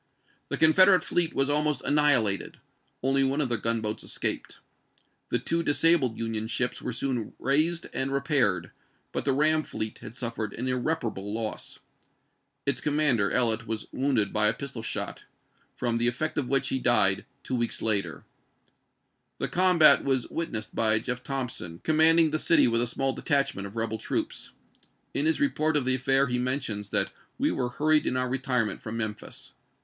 The Confederate fleet was almost annihilated ; only one of their gunboats escaped. The two disabled Union ships were soon raised and repaired, but the ram fleet had suffered an irreparable loss. Its com mander, EUet, was wounded by a pistol shot, from HALLECK'S CORINTH CAMPAIGN 345 the effect of which he died two weeks later. The chap.xix. combat was witnessed by Jeff. Thompson, com manding the city with a small detachment of rebel troops. In his report of the affair he mentions that "we were hurried in our retirement from Mem phis."